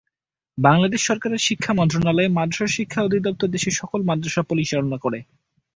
বাংলাদেশ সরকারের শিক্ষা মন্ত্রণালয়ের মাদরাসা শিক্ষা অধিদপ্তর দেশের সকল মাদ্রাসা পরিচালনা করে।